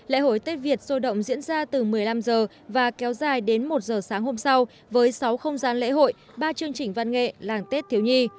lễ hội tết việt sôi động diễn ra từ một mươi năm h và kéo dài đến một h sáng hôm sau với sáu không gian lễ hội ba chương trình văn nghệ làng tết thiếu nhi